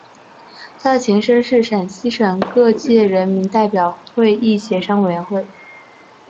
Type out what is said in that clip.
它的前身是陕西省各界人民代表会议协商委员会。